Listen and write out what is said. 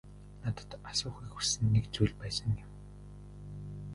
Надад асуухыг хүссэн нэг зүйл байсан юм.